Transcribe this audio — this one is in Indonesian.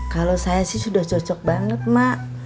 kalau saya sih sudah cocok banget mak